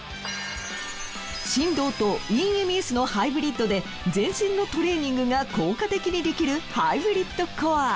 振動とＥＭＳのハイブリッドで全身のトレーニングが効果的にできるハイブリッドコア。